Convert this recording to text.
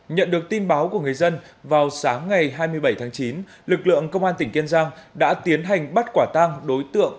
nhận được tin báo của người dân vào sáng ngày hai mươi bảy tháng chín lực lượng công an tỉnh kiên giang đã tiến hành bắt quả tang đối tượng